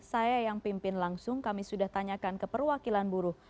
saya yang pimpin langsung kami sudah tanyakan ke perwakilan buruh